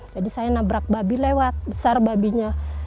jadi saya nabrak babi lewat besar babinya